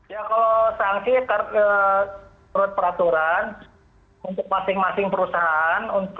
ya kalau sanksi menurut peraturan untuk masing masing perusahaan